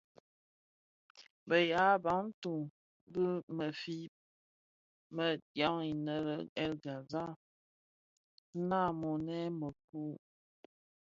Bë yaa Bantu (ya Bafia) bi mëfye më dyaň innë le bahr El Ghazal nnamonèn mëkoo.